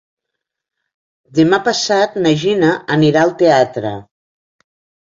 Demà passat na Gina anirà al teatre.